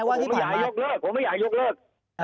ผมไม่อยากให้ยกเลิกผมไม่อยากยกเลิก